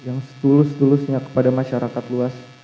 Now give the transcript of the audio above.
yang setulus tulusnya kepada masyarakat luas